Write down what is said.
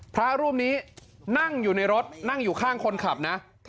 พระรูปนี้นั่งอยู่ในรถนั่งอยู่ข้างคนขับนะ